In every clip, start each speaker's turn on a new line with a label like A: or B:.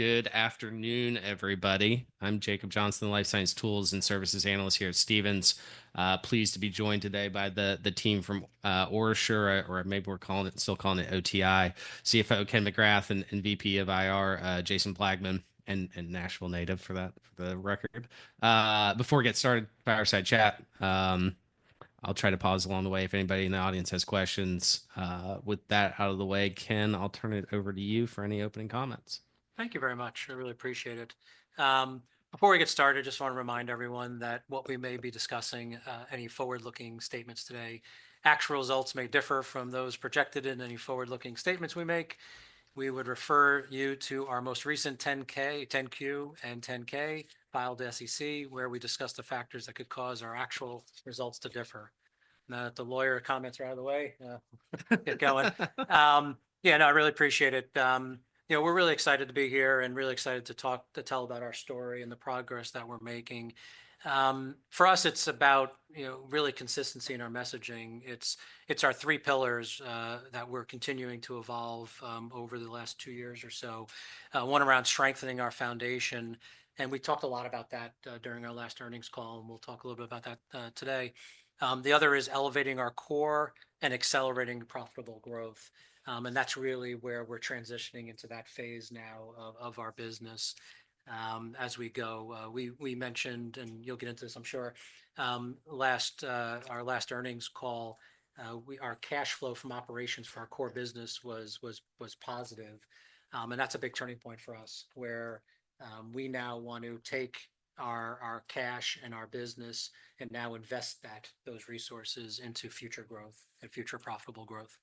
A: All right. Good afternoon, everybody. I'm Jacob Johnson, Life Science Tools and Services Analyst here at Stephens. Pleased to be joined today by the team from OraSure, or maybe we're still calling it OTI, CFO Ken McGrath and VP of IR, Jason Plagman, and Nashville native, for the record. Before we get started, fireside chat. I'll try to pause along the way if anybody in the audience has questions. With that out of the way, Ken, I'll turn it over to you for any opening comments.
B: Thank you very much. I really appreciate it. Before we get started, I just want to remind everyone that what we may be discussing, any forward-looking statements today, actual results may differ from those projected in any forward-looking statements we make. We would refer you to our most recent 10-K, 10-Q and 10-K filed with the SEC, where we discuss the factors that could cause our actual results to differ. Now that the lawyer comments are out of the way, keep going. Yeah, no, I really appreciate it. You know, we're really excited to be here and really excited to talk, to tell about our story and the progress that we're making. For us, it's about really consistency in our messaging. It's our three pillars that we're continuing to evolve over the last two years or so. One around strengthening our foundation. And we talked a lot about that during our last earnings call, and we'll talk a little bit about that today. The other is elevating our core and accelerating profitable growth. And that's really where we're transitioning into that phase now of our business as we go. We mentioned, and you'll get into this, I'm sure, our last earnings call, our cash flow from operations for our core business was positive. And that's a big turning point for us, where we now want to take our cash and our business and now invest those resources into future growth and future profitable growth.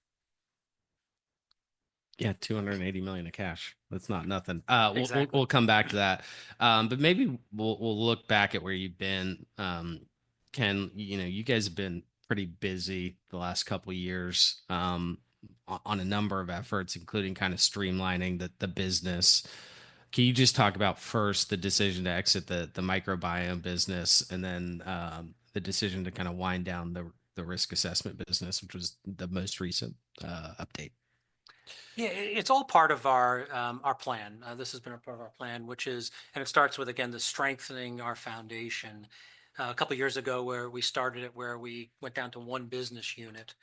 A: Yeah, $280 million of cash. That's not nothing. We'll come back to that. But maybe we'll look back at where you've been. Ken, you guys have been pretty busy the last couple of years on a number of efforts, including kind of streamlining the business. Can you just talk about first the decision to exit the microbiome business and then the decision to kind of wind down the risk assessment business, which was the most recent update?
B: Yeah, it's all part of our plan. This has been a part of our plan, which is and it starts with, again, the strengthening our foundation. A couple of years ago, where we started it, where we went down to one business unit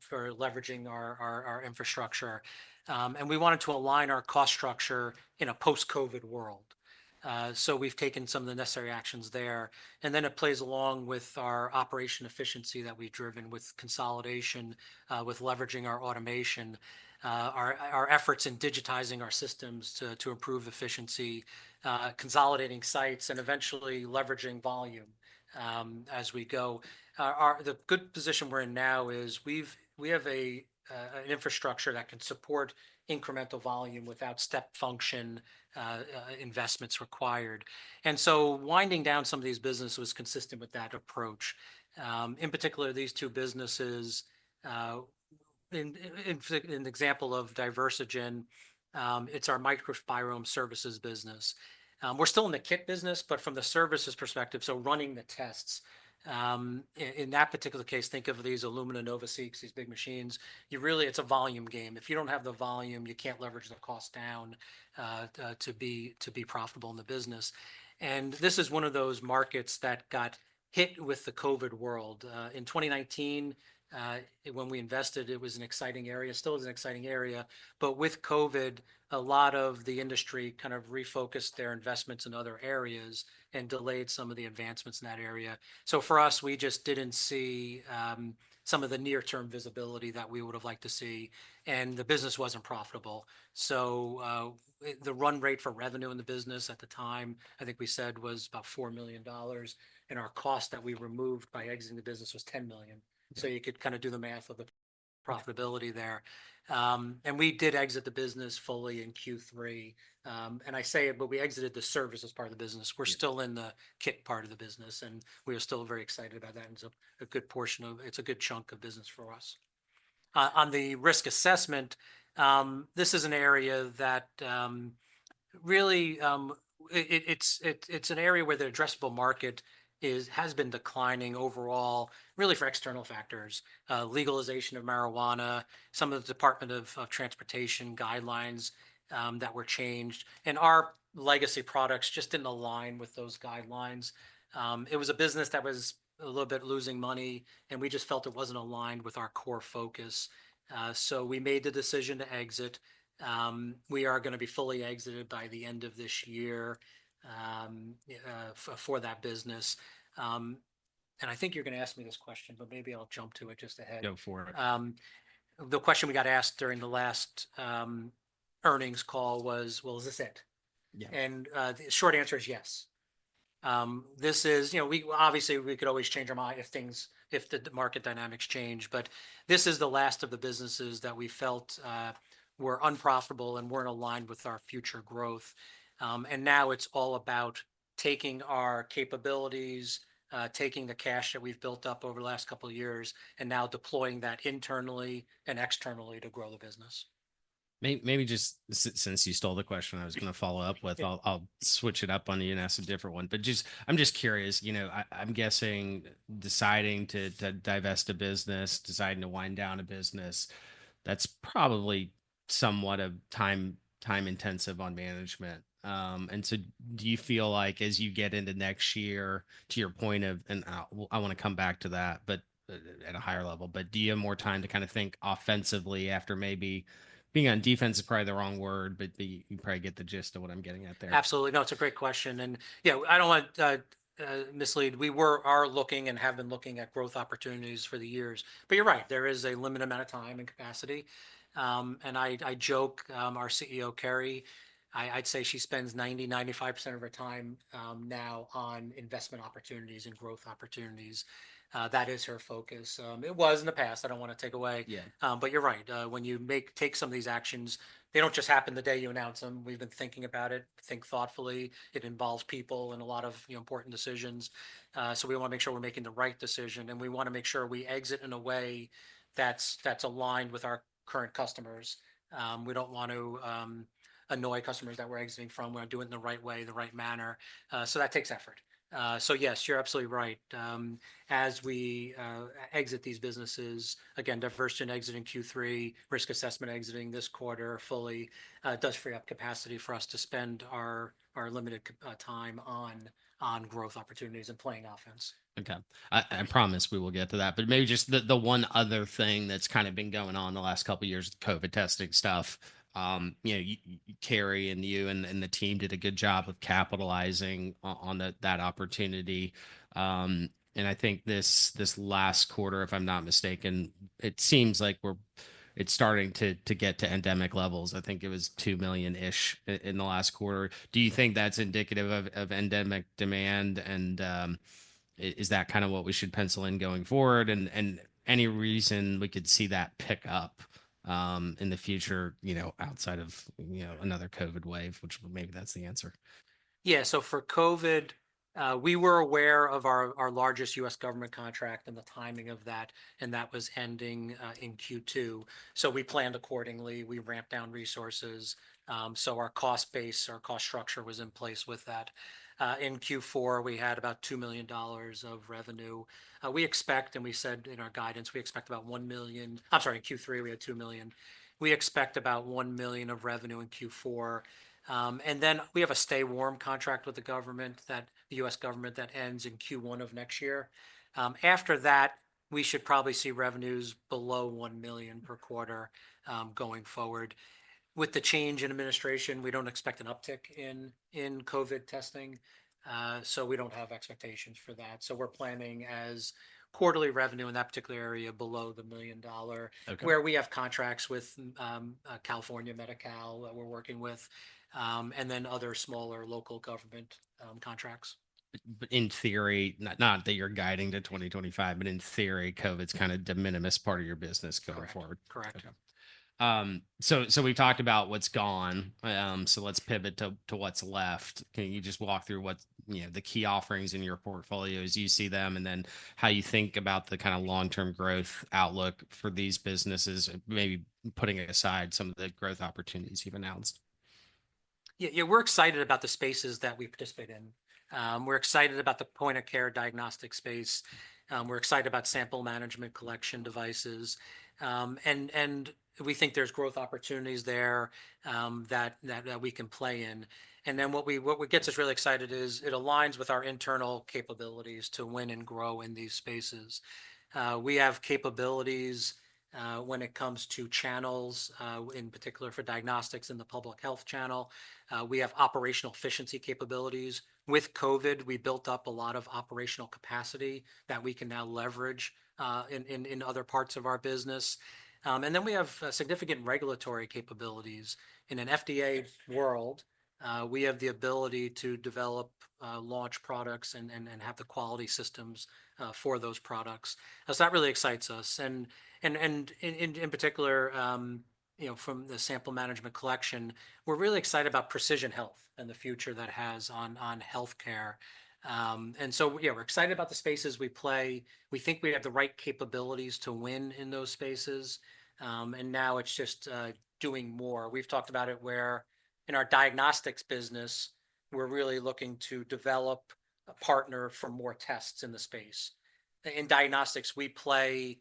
B: for leveraging our infrastructure, and we wanted to align our cost structure in a post-COVID world, so we've taken some of the necessary actions there, and then it plays along with our operation efficiency that we've driven with consolidation, with leveraging our automation, our efforts in digitizing our systems to improve efficiency, consolidating sites, and eventually leveraging volume as we go. The good position we're in now is we have an infrastructure that can support incremental volume without step function investments required, and so winding down some of these businesses was consistent with that approach. In particular, these two businesses, an example of Diversigen, it's our microbiome services business. We're still in the kit business, but from the services perspective, so running the tests. In that particular case, think of these Illumina NovaSeqs, these big machines. It's a volume game. If you don't have the volume, you can't leverage the cost down to be profitable in the business, and this is one of those markets that got hit with the COVID world. In 2019, when we invested, it was an exciting area. Still is an exciting area, but with COVID, a lot of the industry kind of refocused their investments in other areas and delayed some of the advancements in that area, so for us, we just didn't see some of the near-term visibility that we would have liked to see. And the business wasn't profitable. So the run rate for revenue in the business at the time, I think we said was about $4 million. And our cost that we removed by exiting the business was $10 million. So you could kind of do the math of the profitability there. And we did exit the business fully in Q3. And I say it, but we exited the service as part of the business. We're still in the kit part of the business, and we are still very excited about that. And it's a good portion of, it's a good chunk of business for us. On the risk assessment, this is an area that really, it's an area where the addressable market has been declining overall, really for external factors, legalization of marijuana, some of the Department of Transportation guidelines that were changed. And our legacy products just didn't align with those guidelines. It was a business that was a little bit losing money, and we just felt it wasn't aligned with our core focus. So we made the decision to exit. We are going to be fully exited by the end of this year for that business. And I think you're going to ask me this question, but maybe I'll jump to it just ahead.
A: Go for it.
B: The question we got asked during the last earnings call was, well, is this it? And the short answer is yes. This is, you know, obviously, we could always change our mind if things, if the market dynamics change. But this is the last of the businesses that we felt were unprofitable and weren't aligned with our future growth. And now it's all about taking our capabilities, taking the cash that we've built up over the last couple of years, and now deploying that internally and externally to grow the business.
A: Maybe just since you stole the question, I was going to follow up with, I'll switch it up on you and ask a different one. But I'm just curious, you know, I'm guessing deciding to divest a business, deciding to wind down a business, that's probably somewhat time-intensive on management. And so do you feel like as you get into next year, to your point of, and I want to come back to that, but at a higher level, but do you have more time to kind of think offensively after maybe being on defense is probably the wrong word, but you probably get the gist of what I'm getting at there.
B: Absolutely. No, it's a great question, and yeah, I don't want to mislead. We are looking and have been looking at growth opportunities for the years, but you're right, there is a limited amount of time and capacity, and I joke, our CEO, Carrie, I'd say she spends 90%-95% of her time now on investment opportunities and growth opportunities. That is her focus. It was in the past. I don't want to take away, but you're right. When you take some of these actions, they don't just happen the day you announce them. We've been thinking about it thoughtfully. It involves people and a lot of important decisions, so we want to make sure we're making the right decision, and we want to make sure we exit in a way that's aligned with our current customers. We don't want to annoy customers that we're exiting from. We're not doing it in the right way, the right manner. So that takes effort. So yes, you're absolutely right. As we exit these businesses, again, Diversigen exiting Q3, risk assessment exiting this quarter fully does free up capacity for us to spend our limited time on growth opportunities and playing offense.
A: Okay. I promise we will get to that. But maybe just the one other thing that's kind of been going on the last couple of years, COVID testing stuff, you know, Carrie and you and the team did a good job of capitalizing on that opportunity. And I think this last quarter, if I'm not mistaken, it seems like it's starting to get to endemic levels. I think it was 2 million-ish in the last quarter. Do you think that's indicative of endemic demand? And is that kind of what we should pencil in going forward? And any reason we could see that pick up in the future, you know, outside of another COVID wave, which maybe that's the answer.
B: Yeah. So for COVID, we were aware of our largest U.S. Government contract and the timing of that. And that was ending in Q2. So we planned accordingly. We ramped down resources. So our cost base, our cost structure was in place with that. In Q4, we had about $2 million of revenue. We expect, and we said in our guidance, we expect about $1 million. I'm sorry, in Q3, we had $2 million. We expect about $1 million of revenue in Q4. And then we have a stay warm contract with the government, the U.S. government, that ends in Q1 of next year. After that, we should probably see revenues below $1 million per quarter going forward. With the change in administration, we don't expect an uptick in COVID testing. So we don't have expectations for that. We're planning quarterly revenue in that particular area below $1 million, where we have contracts with California Medi-Cal that we're working with, and then other smaller local government contracts.
A: In theory, not that you're guiding to 2025, but in theory, COVID's kind of de minimis part of your business going forward.
B: Correct.
A: So we've talked about what's gone. So let's pivot to what's left. Can you just walk through what the key offerings in your portfolio is, you see them, and then how you think about the kind of long-term growth outlook for these businesses, maybe putting aside some of the growth opportunities you've announced?
B: Yeah, we're excited about the spaces that we participate in. We're excited about the point of care diagnostic space. We're excited about sample management collection devices. And we think there's growth opportunities there that we can play in. And then what gets us really excited is it aligns with our internal capabilities to win and grow in these spaces. We have capabilities when it comes to channels, in particular for diagnostics in the public health channel. We have operational efficiency capabilities. With COVID, we built up a lot of operational capacity that we can now leverage in other parts of our business. And then we have significant regulatory capabilities. In an FDA world, we have the ability to develop, launch products, and have the quality systems for those products. So that really excites us. And in particular, you know, from the sample management collection, we're really excited about precision health and the future that has on healthcare. And so, yeah, we're excited about the spaces we play. We think we have the right capabilities to win in those spaces. And now it's just doing more. We've talked about it where in our diagnostics business, we're really looking to develop a partner for more tests in the space. In diagnostics, we play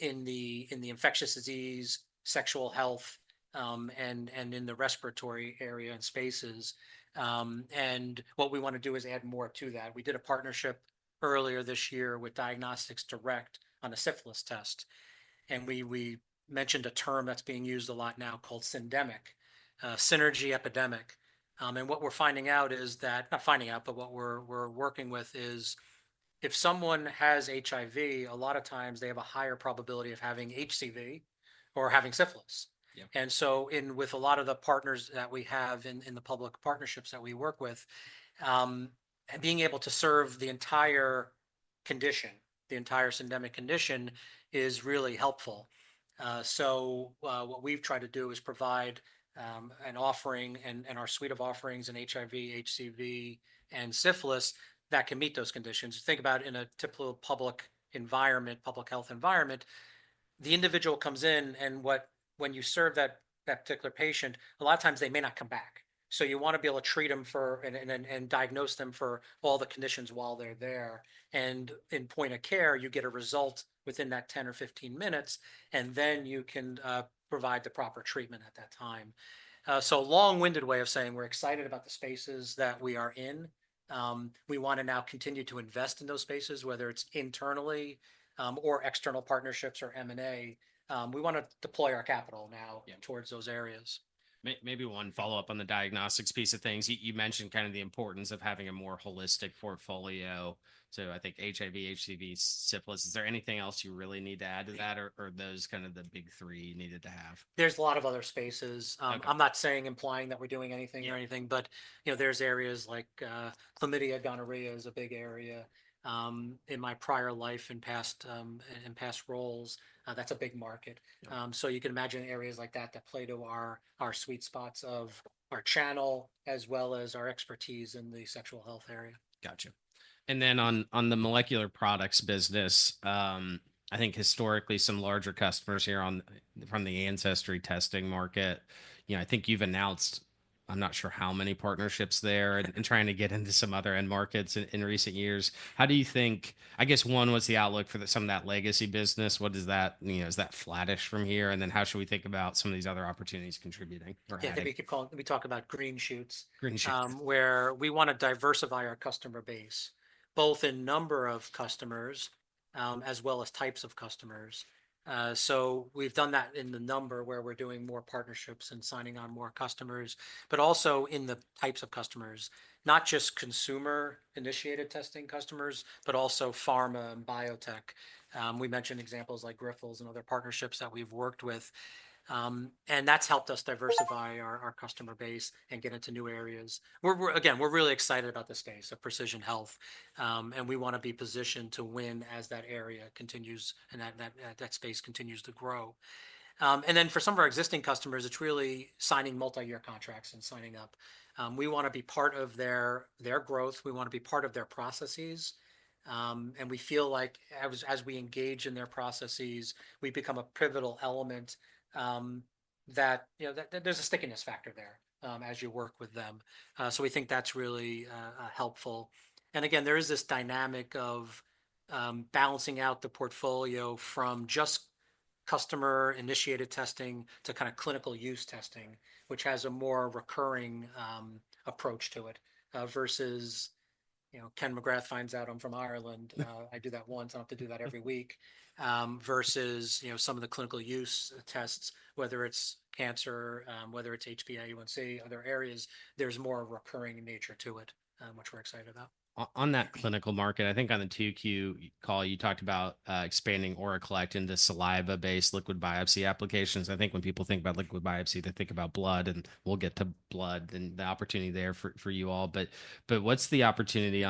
B: in the infectious disease, sexual health, and in the respiratory area and spaces. And what we want to do is add more to that. We did a partnership earlier this year with Diagnostics Direct on a syphilis test. And we mentioned a term that's being used a lot now called syndemic, synergy epidemic. What we're finding out is that, not finding out, but what we're working with is if someone has HIV, a lot of times they have a higher probability of having HCV or having syphilis. And so with a lot of the partners that we have in the public partnerships that we work with, being able to serve the entire condition, the entire syndemic condition is really helpful. So what we've tried to do is provide an offering and our suite of offerings in HIV, HCV, and syphilis that can meet those conditions. Think about it in a typical public environment, public health environment. The individual comes in, and when you serve that particular patient, a lot of times they may not come back. So you want to be able to treat them and diagnose them for all the conditions while they're there. In point of care, you get a result within that 10 or 15 minutes, and then you can provide the proper treatment at that time. So, long-winded way of saying, we're excited about the spaces that we are in. We want to now continue to invest in those spaces, whether it's internally or external partnerships or M&A. We want to deploy our capital now towards those areas.
A: Maybe one follow-up on the diagnostics piece of things. You mentioned kind of the importance of having a more holistic portfolio. So I think HIV, HCV, syphilis. Is there anything else you really need to add to that, or those kind of the big three you needed to have?
B: There's a lot of other spaces. I'm not saying implying that we're doing anything or anything, but there's areas like chlamydia, gonorrhea is a big area. In my prior life and past roles, that's a big market. So you can imagine areas like that that play to our sweet spots of our channel as well as our expertise in the sexual health area.
A: Gotcha. And then on the molecular products business, I think historically some larger customers here from the ancestry testing market, you know, I think you've announced, I'm not sure how many partnerships there and trying to get into some other end markets in recent years. How do you think, I guess one was the outlook for some of that legacy business. What does that, you know, is that flattish from here? And then how should we think about some of these other opportunities contributing?
B: Yeah, we can talk about green shoots, where we want to diversify our customer base, both in number of customers as well as types of customers. So we've done that in the number where we're doing more partnerships and signing on more customers, but also in the types of customers, not just consumer-initiated testing customers, but also pharma and biotech. We mentioned examples like Grifols and other partnerships that we've worked with. And that's helped us diversify our customer base and get into new areas. Again, we're really excited about this space of precision health. And we want to be positioned to win as that area continues and that space continues to grow. And then for some of our existing customers, it's really signing multi-year contracts and signing up. We want to be part of their growth. We want to be part of their processes. And we feel like as we engage in their processes, we become a pivotal element that, you know, there's a stickiness factor there as you work with them. So we think that's really helpful. And again, there is this dynamic of balancing out the portfolio from just customer-initiated testing to kind of clinical use testing, which has a more recurring approach to it versus, you know, Ken McGrath finds out I'm from Ireland. I do that once. I don't have to do that every week versus, you know, some of the clinical use tests, whether it's cancer, whether it's HPA, UNC, other areas, there's more of a recurring nature to it, which we're excited about.
A: On that clinical market, I think on the 2Q call, you talked about expanding OraCollect into saliva-based liquid biopsy applications. I think when people think about liquid biopsy, they think about blood, and we'll get to blood and the opportunity there for you all. But what's the opportunity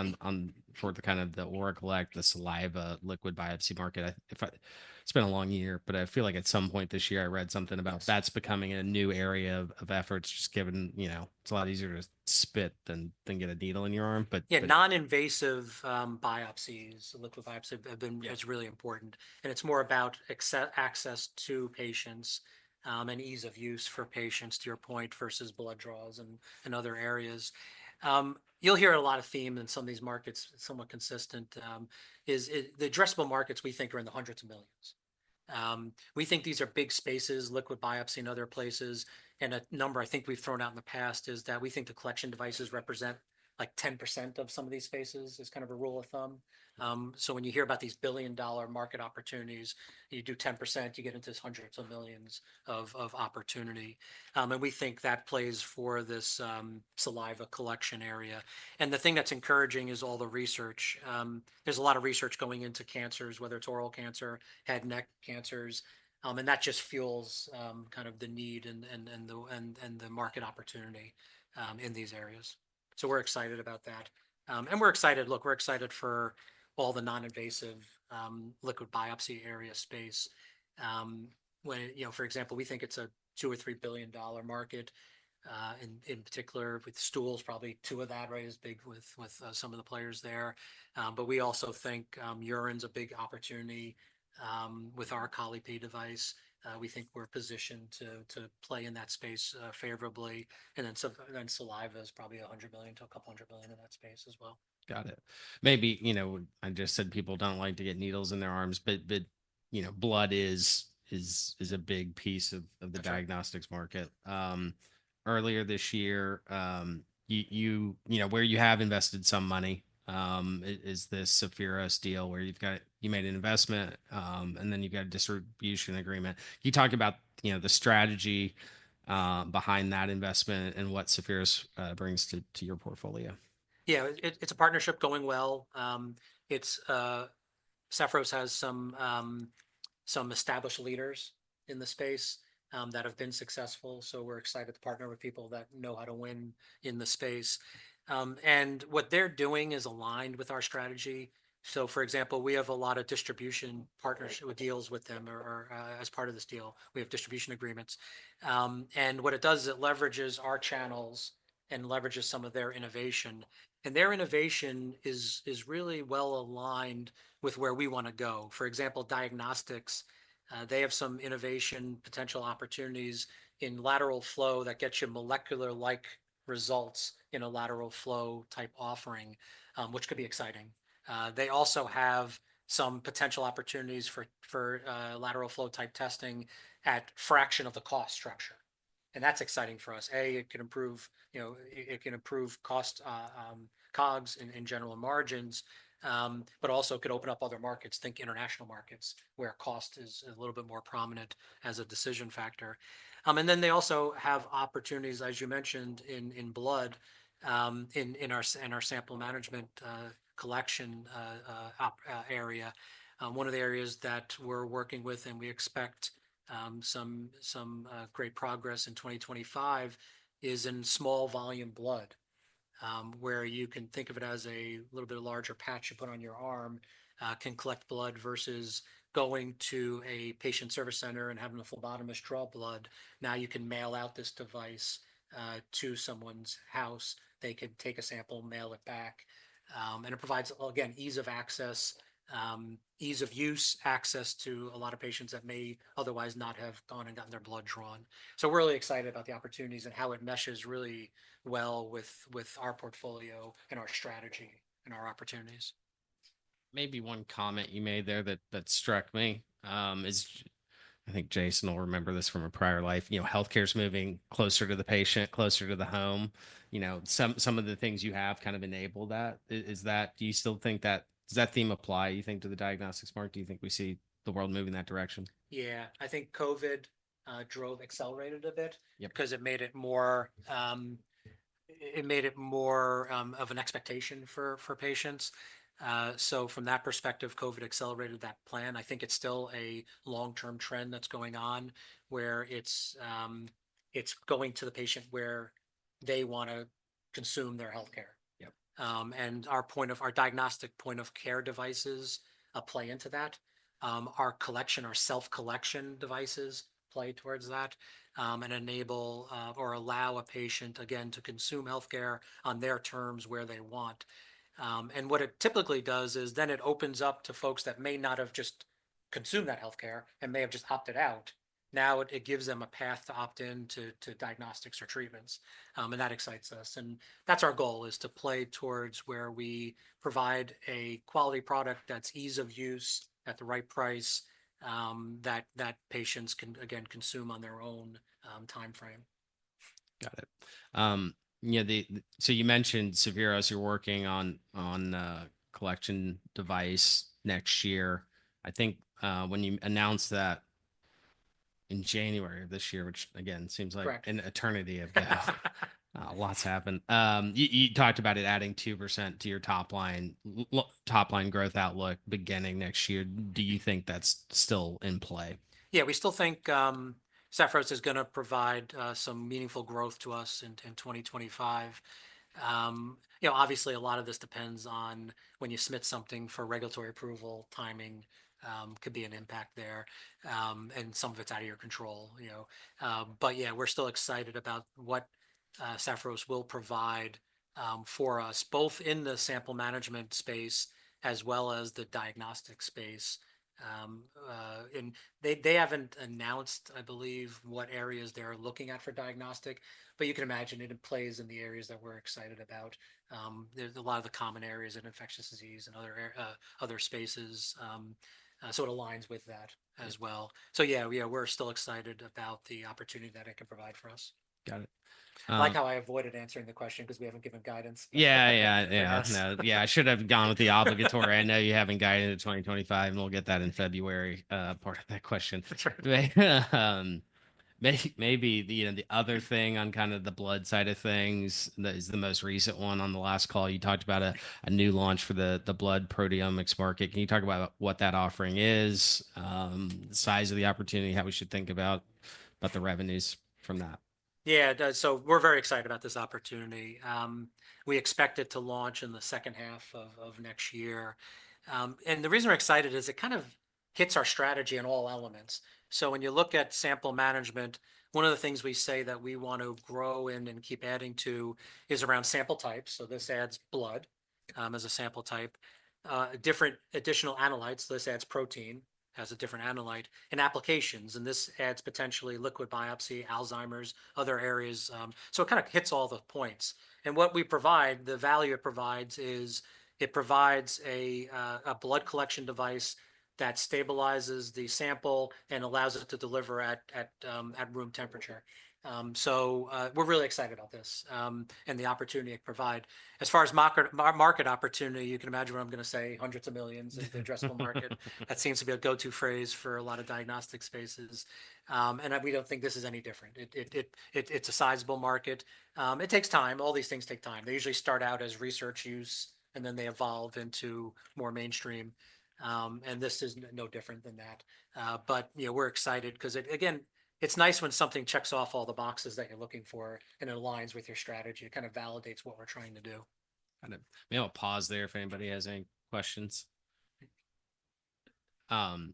A: for the kind of the OraCollect, the saliva liquid biopsy market? It's been a long year, but I feel like at some point this year, I read something about that, that's becoming a new area of efforts just given, you know, it's a lot easier to spit than get a needle in your arm.
B: Yeah, non-invasive biopsies. Liquid biopsy has been really important. And it's more about access to patients and ease of use for patients, to your point, versus blood draws and other areas. You'll hear a lot of theme in some of these markets, somewhat consistent, is the addressable markets we think are in the hundreds of millions. We think these are big spaces, liquid biopsy and other places. And a number I think we've thrown out in the past is that we think the collection devices represent like 10% of some of these spaces is kind of a rule of thumb. So when you hear about these billion-dollar market opportunities, you do 10%, you get into hundreds of millions of opportunity. And we think that plays for this saliva collection area. And the thing that's encouraging is all the research. There's a lot of research going into cancers, whether it's oral cancer, head and neck cancers. And that just fuels kind of the need and the market opportunity in these areas. So we're excited about that. And we're excited, look, we're excited for all the non-invasive liquid biopsy area space. You know, for example, we think it's a $2-$3 billion market in particular with stools, probably $2 billion of that, right, as big with some of the players there. But we also think urine's a big opportunity with our Colli-Pee device. We think we're positioned to play in that space favorably. And then saliva is probably $100 million-$200 million in that space as well.
A: Got it. Maybe, you know, I just said people don't like to get needles in their arms, but you know, blood is a big piece of the diagnostics market. Earlier this year, you know, where you have invested some money is the Sapphiros deal where you've got, you made an investment, and then you've got a distribution agreement. Can you talk about, you know, the strategy behind that investment and what Sapphiros brings to your portfolio?
B: Yeah, it's a partnership going well. Sapphiros has some established leaders in the space that have been successful, so we're excited to partner with people that know how to win in the space, and what they're doing is aligned with our strategy, so for example, we have a lot of distribution partnership deals with them as part of this deal. We have distribution agreements, and what it does is it leverages our channels and leverages some of their innovation, and their innovation is really well aligned with where we want to go. For example, diagnostics, they have some innovation potential opportunities in lateral flow that get you molecular-like results in a lateral flow type offering, which could be exciting. They also have some potential opportunities for lateral flow type testing at a fraction of the cost structure, and that's exciting for us. It can improve, you know, it can improve cost, COGS in general, margins, but also could open up other markets. Think international markets, where cost is a little bit more prominent as a decision factor. They also have opportunities, as you mentioned, in blood, in our sample management collection area. One of the areas that we're working with and we expect some great progress in 2025 is in small volume blood, where you can think of it as a little bit larger patch you put on your arm, can collect blood versus going to a patient service center and having a phlebotomist draw blood. Now you can mail out this device to someone's house. They can take a sample, mail it back. It provides, again, ease of access, ease of use, access to a lot of patients that may otherwise not have gone and gotten their blood drawn. We're really excited about the opportunities and how it measures really well with our portfolio and our strategy and our opportunities.
A: Maybe one comment you made there that struck me is, I think Jason will remember this from a prior life, you know, healthcare is moving closer to the patient, closer to the home. You know, some of the things you have kind of enabled that. Do you still think that, does that theme apply, you think, to the diagnostics market? Do you think we see the world moving in that direction?
C: Yeah, I think COVID drove accelerated a bit because it made it more, it made it more of an expectation for patients, so from that perspective, COVID accelerated that plan. I think it's still a long-term trend that's going on where it's going to the patient where they want to consume their healthcare, and our diagnostic point of care devices play into that. Our collection, our self-collection devices play towards that and enable or allow a patient, again, to consume healthcare on their terms where they want, and what it typically does is then it opens up to folks that may not have just consumed that healthcare and may have just opted out. Now it gives them a path to opt into diagnostics or treatments, and that excites us. That's our goal is to play towards where we provide a quality product that's ease of use at the right price that patients can, again, consume on their own timeframe.
A: Got it. You know, so you mentioned Sapphiros as you're working on a collection device next year. I think when you announced that in January of this year, which again seems like an eternity of that, lots happened. You talked about it adding 2% to your top line growth outlook beginning next year. Do you think that's still in play?
B: Yeah, we still think Sapphiros is going to provide some meaningful growth to us in 2025. You know, obviously a lot of this depends on when you submit something for regulatory approval. Timing could be an issue there. And some of it's out of your control, you know. But yeah, we're still excited about what Sapphiros will provide for us, both in the sample management space as well as the diagnostic space. And they haven't announced, I believe, what areas they're looking at for diagnostic, but you can imagine it plays in the areas that we're excited about. There's a lot of the common areas in infectious disease and other spaces. So it aligns with that as well. So yeah, we're still excited about the opportunity that it can provide for us.
A: Got it.
B: I like how I avoided answering the question because we haven't given guidance.
A: Yeah, yeah, yeah. Yeah, I should have gone with the obligatory. I know you haven't guided in 2025, and we'll get that in February, part of that question. Maybe the other thing on kind of the blood side of things is the most recent one on the last call. You talked about a new launch for the blood proteomics market. Can you talk about what that offering is, the size of the opportunity, how we should think about the revenues from that?
B: Yeah, so we're very excited about this opportunity. We expect it to launch in the second half of next year. And the reason we're excited is it kind of hits our strategy on all elements. So when you look at sample management, one of the things we say that we want to grow in and keep adding to is around sample types. So this adds blood as a sample type. Different additional analytes, this adds protein, has a different analytes and applications. And this adds potentially liquid biopsy, Alzheimer's, other areas. So it kind of hits all the points. And what we provide, the value it provides is it provides a blood collection device that stabilizes the sample and allows it to deliver at room temperature. So we're really excited about this and the opportunity it provides. As far as market opportunity, you can imagine what I'm going to say, hundreds of millions in the addressable market. That seems to be a go-to phrase for a lot of diagnostic spaces. And we don't think this is any different. It's a sizable market. It takes time. All these things take time. They usually start out as research use and then they evolve into more mainstream. And this is no different than that. But you know, we're excited because again, it's nice when something checks off all the boxes that you're looking for and it aligns with your strategy and kind of validates what we're trying to do.
A: Kind of maybe I'll pause there if anybody has any questions. I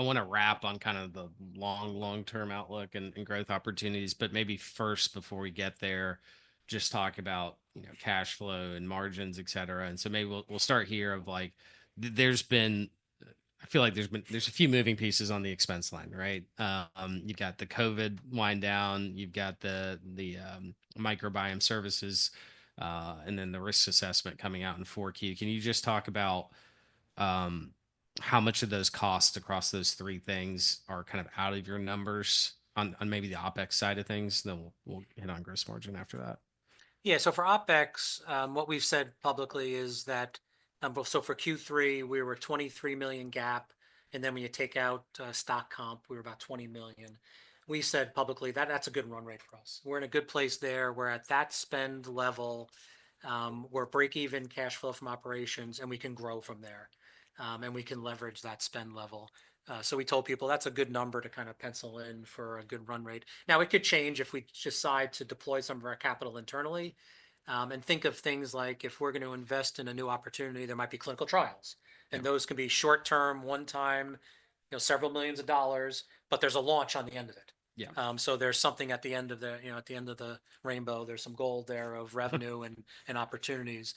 A: want to wrap on kind of the long, long-term outlook and growth opportunities, but maybe first before we get there, just talk about, you know, cash flow and margins, et cetera, and so maybe we'll start here of like, there's been, I feel like there's been a few moving pieces on the expense line, right? You've got the COVID wind down, you've got the microbiome services, and then the risk assessment coming out in 4Q. Can you just talk about how much of those costs across those three things are kind of out of your numbers on maybe the OPEX side of things? Then we'll hit on gross margin after that.
B: Yeah, so for OPEX, what we've said publicly is that, so for Q3, we were $23 million GAAP. And then when you take out stock comp, we were about $20 million. We said publicly that that's a good run rate for us. We're in a good place there. We're at that spend level. We're breakeven cash flow from operations and we can grow from there. And we can leverage that spend level. So we told people that's a good number to kind of pencil in for a good run rate. Now it could change if we decide to deploy some of our capital internally and think of things like if we're going to invest in a new opportunity, there might be clinical trials. And those can be short-term, one-time, you know, several million dollars, but there's a launch on the end of it. So there's something at the end of the, you know, at the end of the rainbow. There's some gold there of revenue and opportunities.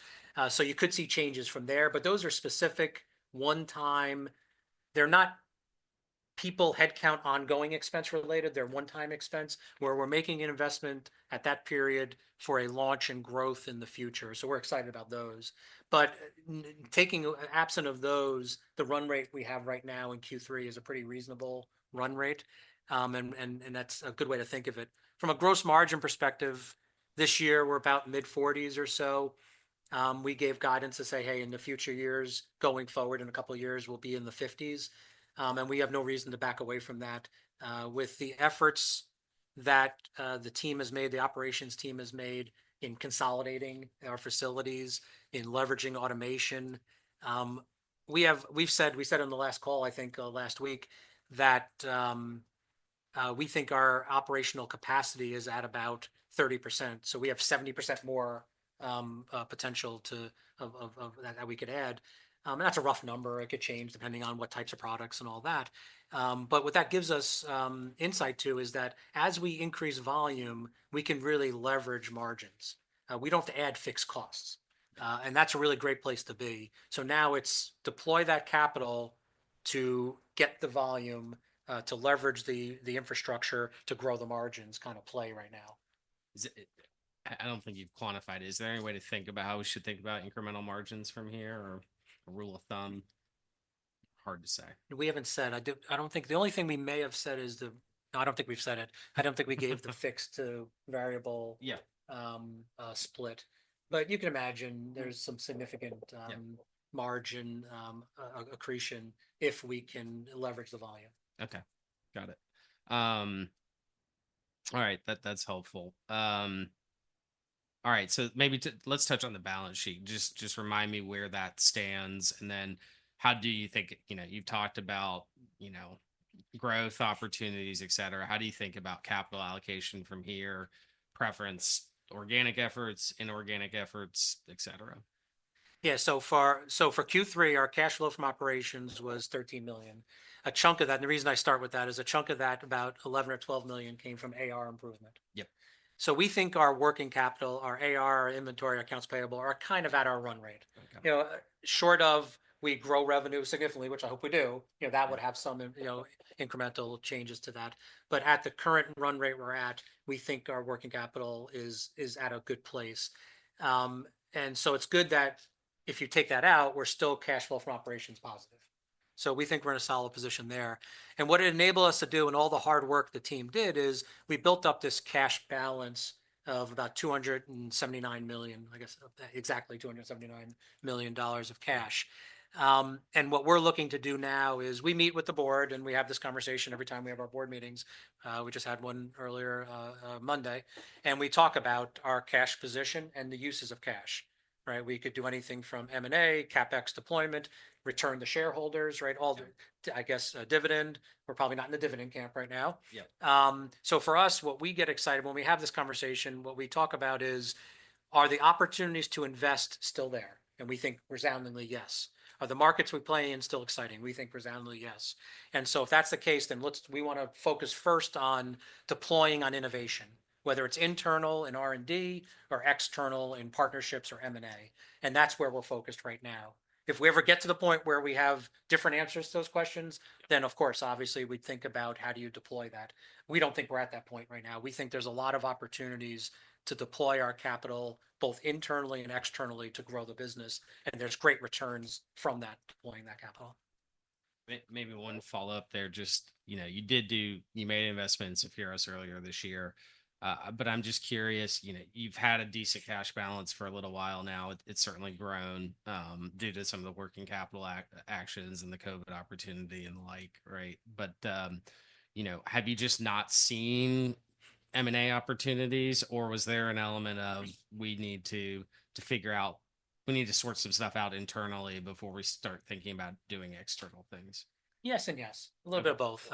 B: So you could see changes from there, but those are specific one-time. They're not people headcount ongoing expense related. They're one-time expense where we're making an investment at that period for a launch and growth in the future. So we're excited about those. But taking absent of those, the run rate we have right now in Q3 is a pretty reasonable run rate. And that's a good way to think of it. From a gross margin perspective, this year we're about mid-40s or so. We gave guidance to say, hey, in the future years going forward in a couple of years, we'll be in the 50s. And we have no reason to back away from that. With the efforts that the team has made, the operations team has made in consolidating our facilities, in leveraging automation, we've said, we said on the last call, I think last week, that we think our operational capacity is at about 30%, so we have 70% more potential that we could add, and that's a rough number. It could change depending on what types of products and all that, but what that gives us insight to is that as we increase volume, we can really leverage margins. We don't have to add fixed costs, and that's a really great place to be, so now it's deploy that capital to get the volume, to leverage the infrastructure to grow the margins kind of play right now.
A: I don't think you've quantified it. Is there any way to think about how we should think about incremental margins from here or a rule of thumb? Hard to say.
B: We haven't said. I don't think the only thing we may have said is, I don't think we've said it. I don't think we gave the fixed variable split, but you can imagine there's some significant margin accretion if we can leverage the volume.
A: Okay. Got it. All right. That's helpful. All right. So maybe let's touch on the balance sheet. Just remind me where that stands. And then how do you think, you know, you've talked about, you know, growth opportunities, et cetera. How do you think about capital allocation from here? Preference organic efforts, inorganic efforts, et cetera.
B: Yeah. So, for Q3, our cash flow from operations was $13 million. A chunk of that, and the reason I start with that is a chunk of that about $11 million or $12 million came from AR improvement. Yep. We think our working capital, our AR, our inventory, our accounts payable are kind of at our run rate. You know, short of we grow revenue significantly, which I hope we do, you know, that would have some, you know, incremental changes to that. But at the current run rate we're at, we think our working capital is at a good place. It's good that if you take that out, we're still cash flow from operations positive. We think we're in a solid position there. What it enabled us to do and all the hard work the team did is we built up this cash balance of about $279 million. I guess exactly $279 million of cash. What we're looking to do now is we meet with the board and we have this conversation every time we have our board meetings. We just had one earlier Monday. We talk about our cash position and the uses of cash, right? We could do anything from M&A, CapEx deployment, return to shareholders, right? All the, I guess, dividend. We're probably not in the dividend camp right now. For us, what we get excited when we have this conversation, what we talk about is, are the opportunities to invest still there? We think resoundingly yes. Are the markets we play in still exciting? We think resoundingly yes. And so if that's the case, then we want to focus first on deploying on innovation, whether it's internal in R&D or external in partnerships or M&A. And that's where we're focused right now. If we ever get to the point where we have different answers to those questions, then of course, obviously we'd think about how do you deploy that? We don't think we're at that point right now. We think there's a lot of opportunities to deploy our capital both internally and externally to grow the business. And there's great returns from that deploying that capital.
A: Maybe one follow-up there. Just, you know, you did do, you made investments in Sapphiros earlier this year. But I'm just curious, you know, you've had a decent cash balance for a little while now. It's certainly grown due to some of the working capital actions and the COVID opportunity and the like, right? But, you know, have you just not seen M&A opportunities or was there an element of we need to figure out, we need to sort some stuff out internally before we start thinking about doing external things?
B: Yes and yes. A little bit of both.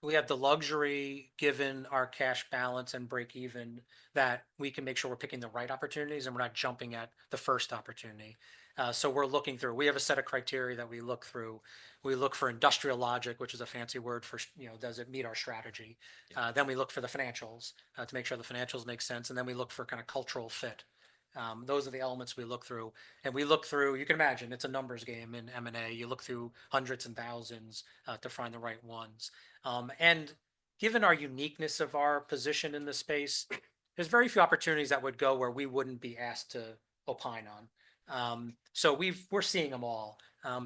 B: We have the luxury given our cash balance and break even that we can make sure we're picking the right opportunities and we're not jumping at the first opportunity. So we're looking through, we have a set of criteria that we look through. We look for industrial logic, which is a fancy word for, you know, does it meet our strategy, then we look for the financials to make sure the financials make sense, and then we look for kind of cultural fit. Those are the elements we look through, and we look through, you can imagine it's a numbers game in M&A. You look through hundreds and thousands to find the right ones, and given our uniqueness of our position in the space, there's very few opportunities that would go where we wouldn't be asked to opine on. So we're seeing them all.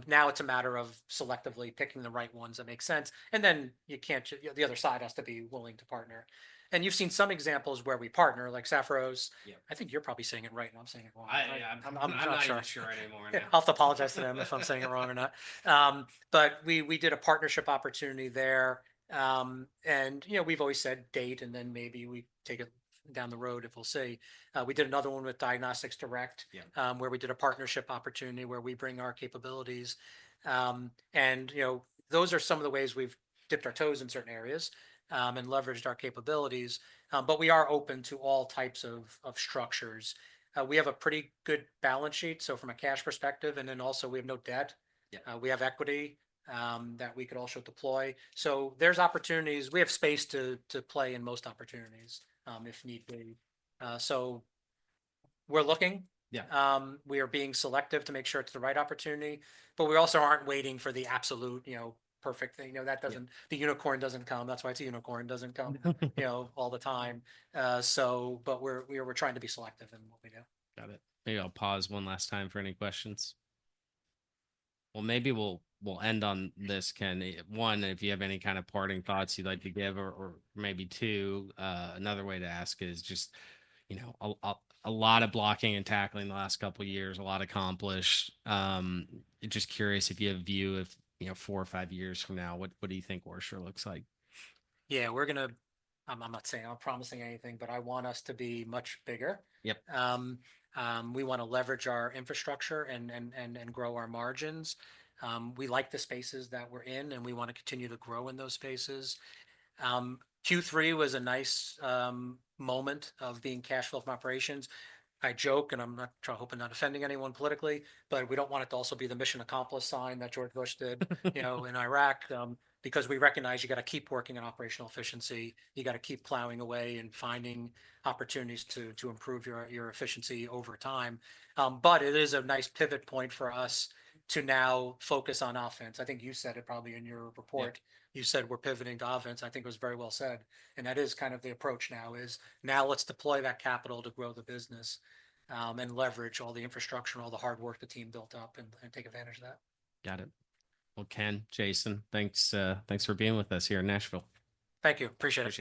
B: Now it's a matter of selectively picking the right ones that make sense. And then you can't, the other side has to be willing to partner. And you've seen some examples where we partner like Sapphiros's. I think you're probably saying it right and I'm saying it wrong.
A: I'm not even sure anymore now.
B: I'll apologize to them if I'm saying it wrong or not, but we did a partnership opportunity there, and you know, we've always said date and then maybe we take it down the road if we'll see. We did another one with Diagnostics Direct where we did a partnership opportunity where we bring our capabilities, and you know, those are some of the ways we've dipped our toes in certain areas and leveraged our capabilities, but we are open to all types of structures. We have a pretty good balance sheet, so from a cash perspective, and then also we have no debt. We have equity that we could also deploy, so there's opportunities. We have space to play in most opportunities if need be, so we're looking. We are being selective to make sure it's the right opportunity. But we also aren't waiting for the absolute, you know, perfect thing. You know, that doesn't, the unicorn doesn't come. That's why it's a unicorn doesn't come, you know, all the time. So, but we're trying to be selective in what we do.
A: Got it. Maybe I'll pause one last time for any questions. Maybe we'll end on this, Ken. One, if you have any kind of parting thoughts you'd like to give or maybe two, another way to ask is just, you know, a lot of blocking and tackling the last couple of years, a lot accomplished. Just curious if you have a view of, you know, four or five years from now, what do you think OraSure looks like?
B: Yeah, we're going to. I'm not saying I'm promising anything, but I want us to be much bigger. We want to leverage our infrastructure and grow our margins. We like the spaces that we're in and we want to continue to grow in those spaces. Q3 was a nice moment of being cash flow from operations. I joke and I'm not hoping not offending anyone politically, but we don't want it to also be the mission accomplished sign that George W. Bush did, you know, in Iraq because we recognize you got to keep working on operational efficiency. You got to keep plowing away and finding opportunities to improve your efficiency over time. But it is a nice pivot point for us to now focus on offense. I think you said it probably in your report. You said we're pivoting to offense. I think it was very well said. That is kind of the approach now. Let's deploy that capital to grow the business and leverage all the infrastructure, all the hard work the team built up, and take advantage of that.
A: Got it. Well, Ken, Jason, thanks for being with us here in Nashville.
B: Thank you. Appreciate it.